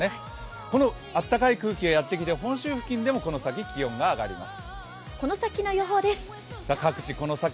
このあったかい空気がやってきて本州付近でもこの先、気温が上がります。